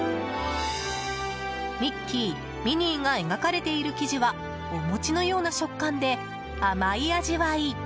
ミッキー、ミニーが描かれている生地はお餅のような食感で甘い味わい。